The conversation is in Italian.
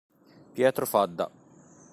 Pietro Fadda